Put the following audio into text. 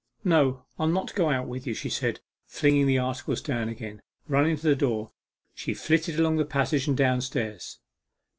'No, I'll not go out with you,' she said, flinging the articles down again. Running to the door she flitted along the passage, and downstairs.